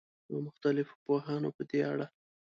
او مختلفو پوهانو په دې اړه